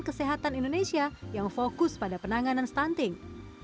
kesehatan indonesia yang fokus pada penanganan stunting